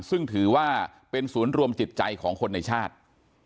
ซึ่งถือว่าเป็นศูนย์รวมจิตใจของคนในชาติ